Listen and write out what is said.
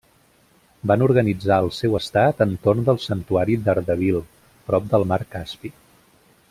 Van organitzar el seu estat entorn del santuari d'Ardabil, prop del mar Caspi.